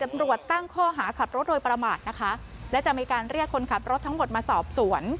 ตำรวจตั้งข้อหาขับรถโดยประมาทนะคะและจะมีการเรียกคนขับรถทั้งหมดมาสอบสวน